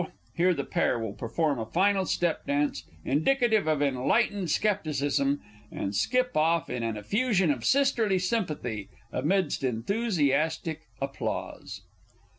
[_Here the pair will perform a final step dance, indicative of enlightened scepticism, and skip off in an effusion of sisterly sympathy, amidst enthusiastic applause.